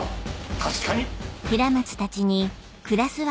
確かに。